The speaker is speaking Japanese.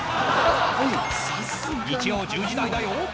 日曜１０時台だよ！